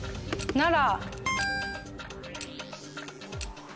奈良。